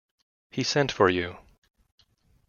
He sent for you.